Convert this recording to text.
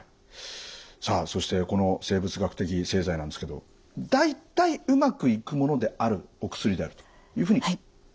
さあそしてこの生物学的製剤なんですけど大体うまくいくものであるお薬であるというふうに考えていいんですかね。